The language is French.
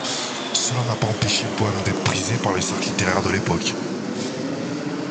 Cela n'a pas empêché le poème d'être prisé par les cercles littéraires de l'époque.